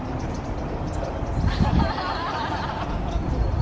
あんなところは。